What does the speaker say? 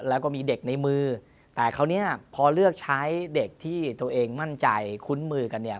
แล้วก็มีเด็กในมือแต่คราวนี้พอเลือกใช้เด็กที่ตัวเองมั่นใจคุ้นมือกันเนี่ย